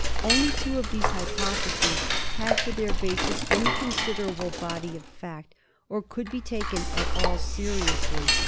Only two of these hypotheses had for their basis any considerable body of fact, or could be taken at all seriously.